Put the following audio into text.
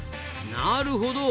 なるほど。